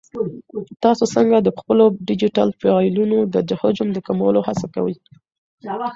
تاسو څنګه د خپلو ډیجیټل فایلونو د حجم د کمولو هڅه کوئ؟